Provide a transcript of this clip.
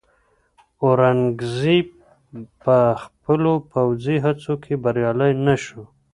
اورنګزېب په خپلو پوځي هڅو کې بریالی نه شو.